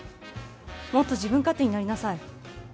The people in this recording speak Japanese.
もっと自分勝手になりなさい。